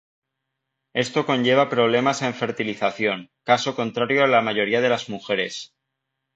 Esto conlleva problemas en fertilización, caso contrario a la mayoría de las mujeres.